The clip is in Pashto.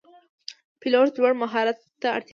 پیلوټ لوړ مهارت ته اړتیا لري.